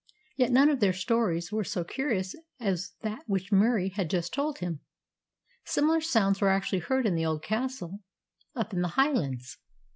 Yet none of their stories was so curious as that which Murie had just told him. Similar sounds were actually heard in the old castle up in the Highlands!